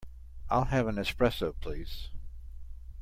I'll have an Espresso, please.